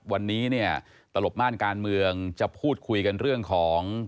วันนี้เนี่ยตลบม่านการเมืองจะพูดคุยกันเรื่องของ